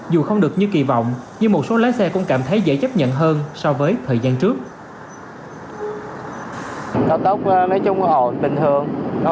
dù không được như kỳ vọng nhưng một số lái xe cũng cảm thấy dễ chấp nhận hơn so với thời gian trước